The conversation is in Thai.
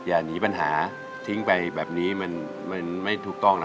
อย่าหนีปัญหาทิ้งไปแบบนี้มันไม่ถูกต้องนะ